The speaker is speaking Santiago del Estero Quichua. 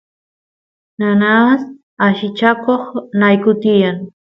nanas allichakoq nayku tiyan